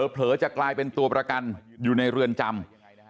เผลอจะกลายเป็นตัวประกันอยู่ในเรือนจำ